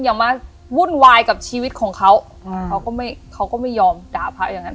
อย่ามาวุ่นวายกับชีวิตของเขาเขาก็ไม่เขาก็ไม่ยอมด่าพระอย่างนั้น